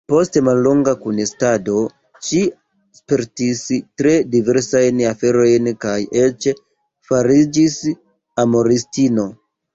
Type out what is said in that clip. Post mallonga kunestado ŝi spertis tre diversajn aferojn kaj eĉ fariĝis amoristino.